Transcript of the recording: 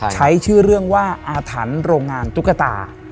ใช้ชื่อเรื่องว่าอาถรรพ์โรงงานตุ๊กตา